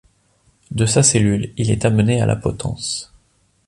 De sa cellule, il est amené à la potence.